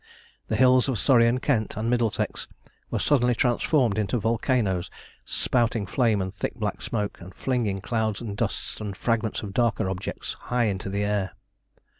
The hills of Surrey, and Kent, and Middlesex were suddenly transformed into volcanoes spouting flame and thick black smoke, and flinging clouds of dust and fragments of darker objects high into the air.